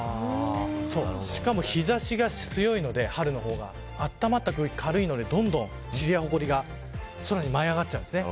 しかも日差しが強いので春の方があったまった空気が軽いのでどんどん、ちりやほこりが空に舞い上がっちゃうんですね。